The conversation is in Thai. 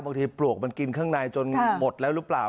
ปลวกมันกินข้างในจนหมดแล้วหรือเปล่า